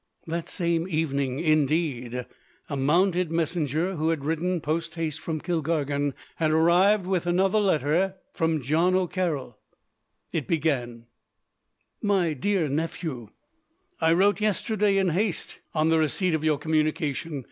The same evening, indeed, a mounted messenger, who had ridden posthaste from Kilkargan, arrived with another letter from John O'Carroll. It began: My Dear Nephew: I wrote yesterday in haste, on the receipt of your communication.